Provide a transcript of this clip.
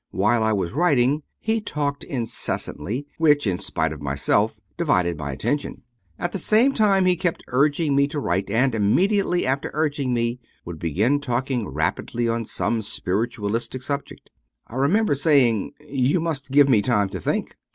While I was writing he talked incessantly, which in spite of my self divided my attention. At the same time he kept urg ing me to write, and immediately after urging me, would begin talking rapidly on some spiritualistic subject. I re member saying, "You must. give me time to think."